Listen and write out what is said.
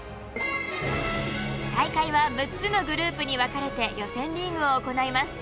大会は６つのグループに分かれて予選リーグを行います。